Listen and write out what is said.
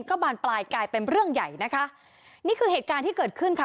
ก็บานปลายกลายเป็นเรื่องใหญ่นะคะนี่คือเหตุการณ์ที่เกิดขึ้นค่ะ